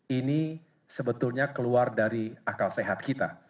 ini sebetulnya keluar dari akal sehat kita